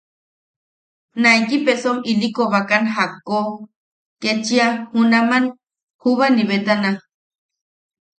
Naiki pesom ili kobakan jakko ketchia junaman Jubanibetana.